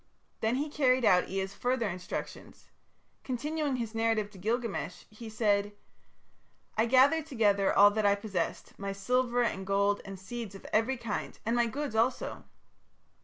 Then he carried out Ea's further instructions. Continuing his narrative to Gilgamesh, he said: "I gathered together all that I possessed, my silver and gold and seeds of every kind, and my goods also.